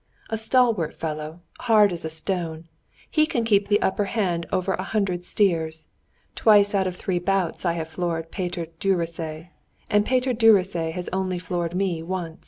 A stalwart fellow, hard as a stone; he can keep the upper hand over a hundred steers. Twice out of three bouts have I floored Peter Gyuricza, and Peter Gyuricza has only floored me once."